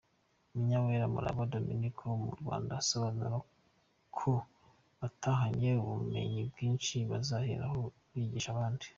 Munyawera Muvuna Dominique wo mu Rwanda asobanura ko batahanye ubumenyi bwinshi bazaheraho bigisha abandi.